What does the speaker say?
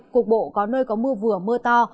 cục bộ có nơi có mưa vừa mưa to